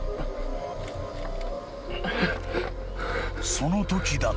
［そのときだった］